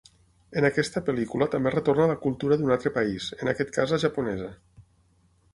En aquesta pel·lícula també retorna la cultura d'un altre país, en aquest cas la Japonesa.